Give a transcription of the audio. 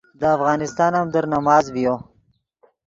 دے افغانستان ام در نماز ڤیو